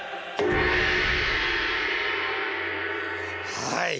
はい。